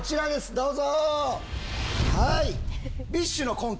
どうぞ！